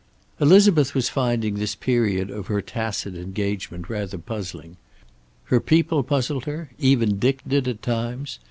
Elizabeth was finding this period of her tacit engagement rather puzzling. Her people puzzled her. Even Dick did, at times.